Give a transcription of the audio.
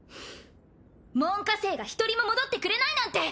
門下生が一人も戻ってくれないなんて！